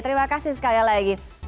terima kasih sekali lagi